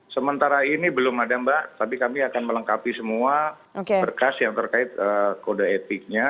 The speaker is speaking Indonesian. sementara ini belum ada mbak tapi kami akan melengkapi semua berkas yang terkait kode etiknya